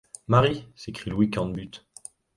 Marie! s’écria Louis Cornbutte.